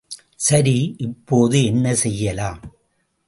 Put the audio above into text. சரி, இப்போது என்ன செய்யலாம்?